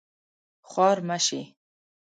خوار مه شې